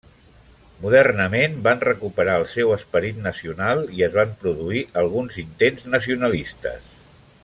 Modernament van recuperar el seu esperit nacional i es van produir alguns intents nacionalistes.